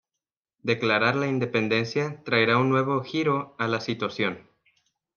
Declarar la independencia traerá un nuevo giro a la situación.